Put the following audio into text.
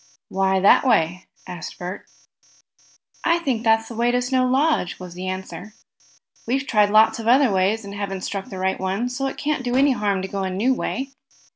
"Why, that way?" asked Bert. "I think that's the way to Snow Lodge," was the answer. "We've tried lots of other ways, and haven't struck the right one, so it can't do any harm to go a new way."